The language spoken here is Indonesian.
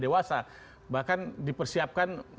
dewasa bahkan dipersiapkan